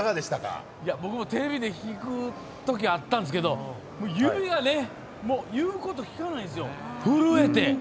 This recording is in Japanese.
僕もテレビで弾くことあったんですけど指が、言うこときかないんですよ、震えて。